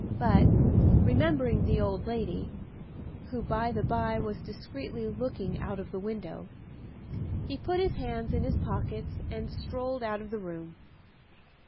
But, remembering the old lady (who, by the by, was discreetly looking out of the window), he put his hands in his pockets and strolled out of the room.